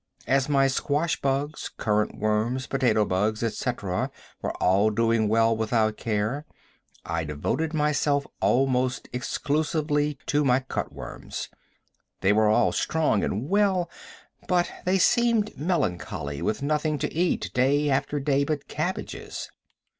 As my squash bugs, currant worms, potato bugs, etc., were all doing well without care, I devoted myself almost exclusively to my cut worms. They were all strong and well, but they seemed melancholy with nothing to eat, day after day, but cabbages.